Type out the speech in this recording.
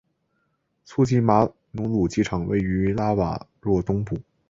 苏吉马努鲁机场位于拉瓦若东部。